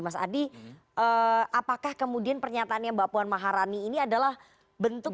mas adi apakah kemudian pernyataannya mbak puan maharani ini adalah bentuk